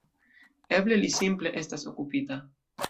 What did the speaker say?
Eble li simple estas okupita.